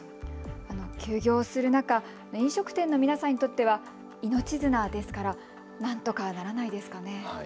休業する中、飲食店の皆さんにとっては命綱ですからなんとかならないですかね。